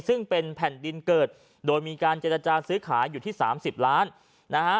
ซึ่งเป็นแผ่นดินเกิดโดยมีการเจรจาซื้อขายอยู่ที่๓๐ล้านนะฮะ